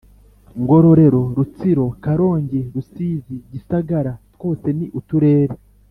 Ngororero Rutsiro Karongi Rusizi Gisagara twose ni uturere